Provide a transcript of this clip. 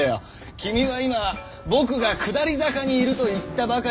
君は今僕が「下り坂」にいると言ったばかりだぜ。